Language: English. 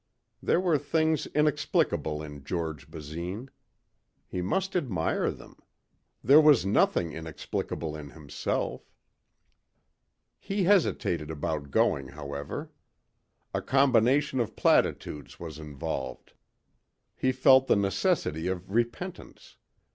There were things inexplicable in George Basine. He must admire them. There was nothing inexplicable in himself. He hesitated about going, however. A combination of platitudes was involved. He felt the necessity of repentance.